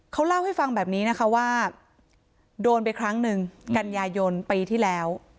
เขาเล่าให้ฟังแบบนี้นะคะว่าโดนไปครั้งหนึ่งกันยายนปีที่แล้ว